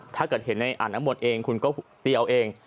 ถ้าเกิดเห็นในอันนั้นหมดเองคุณก็ตีเอาเอง